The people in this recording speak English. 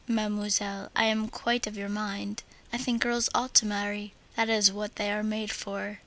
Mademoiselle, I am quite of your mind, I think girls ought to marry; that is what they are made for.